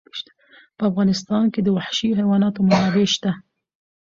په افغانستان کې د وحشي حیواناتو منابع شته.